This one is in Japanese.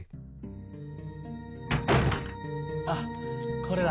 あっこれだ。